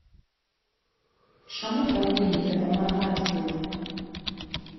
Чаму павінны дапамагаць вы?